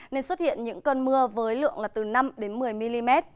nên xuất hiện những cơn mưa với lượng là từ năm đến một mươi mm